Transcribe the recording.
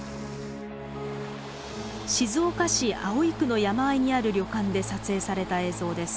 静岡市葵区の山あいにある旅館で撮影された映像です。